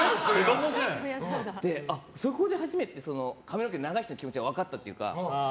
で、そこで初めて髪の毛長い人の気持ちが分かったというか。